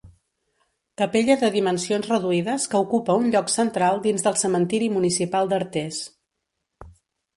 Capella de dimensions reduïdes que ocupa un lloc central dins del cementiri municipal d'Artés.